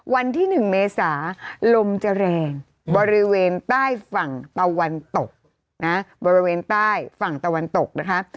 ๑วันที่๑เมษาลมจะแรงบริเวณใต้ฝั่งตะวันตก